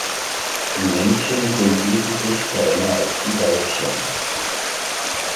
Die Männchen sind wesentlich kleiner als die Weibchen.